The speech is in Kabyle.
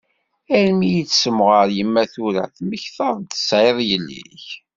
Armi iyi-d-tessemɣer yemma tura temmektaḍ-d tesɛiḍ yelli-k?